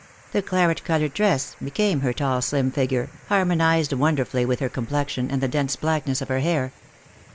The claret coloured dress became her tall slim figure, harmonized wonderfully with her complexion, and the dense blackness of her hair.